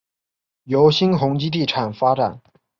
由新鸿基地产发展。